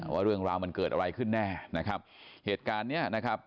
ว่าเรื่องราวมันเกิดอะไรขึ้นแน่นะครับเหตุการณ์เนี้ยนะครับ